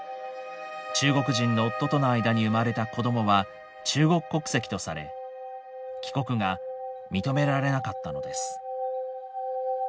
中国人の夫との間に生まれた子どもは中国国籍とされ帰国が認められなかったのです。